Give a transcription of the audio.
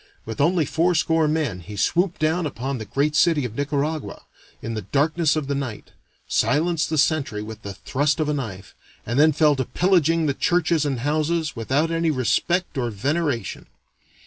With only fourscore men, he swooped down upon the great city of Nicaragua in the darkness of the night, silenced the sentry with the thrust of a knife, and then fell to pillaging the churches and houses "without any respect or veneration."